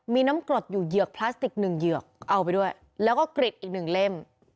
มีน้ำกรดอยู่เหยือกพลาสติกหนึ่งเหยือกเอาไปด้วยแล้วก็กริดอีกหนึ่งเล่ม